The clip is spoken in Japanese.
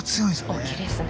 大きいですね。